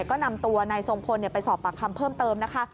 ก็นำตัวนายทรงพลไปสอบปากคำเพิ่มเติมนะคะ